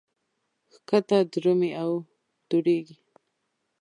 ښکته درومي او دوړېږي.